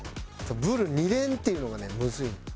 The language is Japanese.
ブル２連っていうのがねむずいのよ。